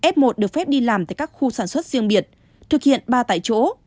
f một được phép đi làm tại các khu sản xuất riêng biệt thực hiện ba tại chỗ